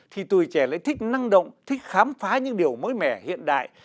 thì tuổi trẻ lại thích năng động thích khám phá những điều mới mẻ hiện đại